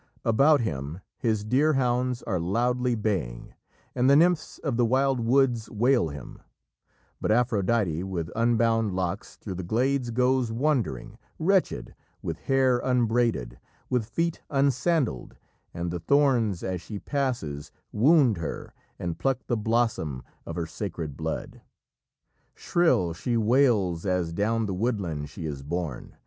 About him his dear hounds are loudly baying, and the nymphs of the wild woods wail him; but Aphrodite with unbound locks through the glades goes wandering wretched, with hair unbraided, with feet unsandalled, and the thorns as she passes wound her and pluck the blossom of her sacred blood. Shrill she wails as down the woodland she is borne....